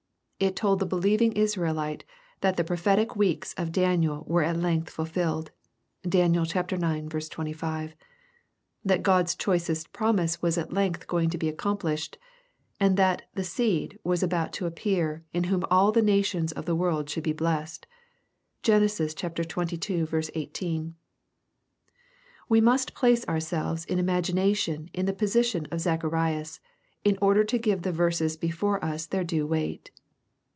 It told the believing Israelite that the prophetic weeks of Daniel were at length fulfilled, (Dan. ix. 25,) — that God's choicest promise was at length going to be accomplished, — and that " the seed" was about to appear in whom all \he nations of the earth should be blessed. (Gen. xxii. 18.) We must place ourselves in imagination in the position of Zacharias, in order to give the verses before lis their due weight.